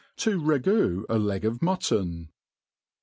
To Ragoo a Leg of Mutton.